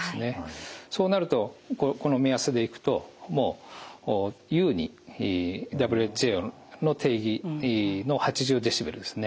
そうなるとこの目安でいくとＷＨＯの定義の８０デシベルをですね